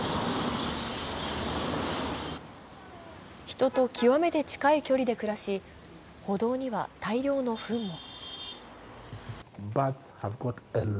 人と極めて近い距離で暮らし、歩道には大量のふんも。